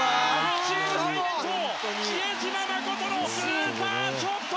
チーム最年長、比江島慎のスーパーショット！